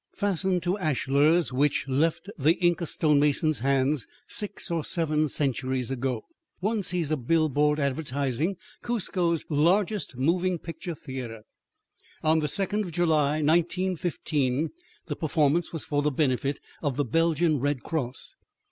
Fastened to ashlars which left the Inca stonemason's hands six or seven centuries ago, one sees a bill board advertising Cuzco's largest moving picture theater. On the 2d of July, 1915, the performance was for the benefit of the Belgian Red Cross!